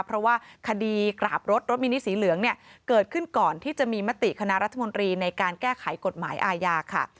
เพราะว่าคดีกราบรถรถมินิสีเหลืองเนี่ยเกิดขึ้นก่อนที่จะมีมติคณะรัฐมนตรีในการแก้ไขกฎหมายอาญาค่ะ